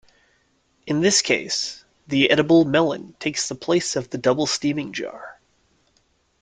In this case, the edible melon takes the place of the double steaming jar.